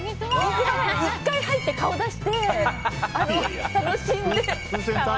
１回入って、顔出して楽しんで。